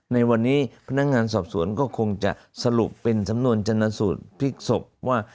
ในวันนี้พนักงานสอบสวนก็คงจะสรุปเป็นสำนวนจนสูตรพลิกศพว่า